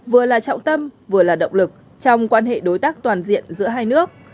vừa là trọng tâm vừa là động lực trong quan hệ đối tác toàn diện giữa hai nước